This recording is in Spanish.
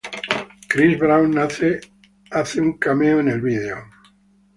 Chris Brown hace un cameo en el video.